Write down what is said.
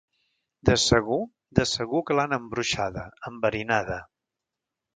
De segur, de segur que l’han embruixada, enverinada.